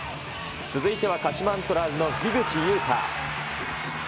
続いては鹿島アントラーズの樋口雄太。